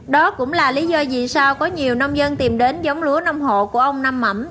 đó cũng là lý do vì sao có nhiều nông dân tìm đến giống lúa nông hộ của ông nam mẩm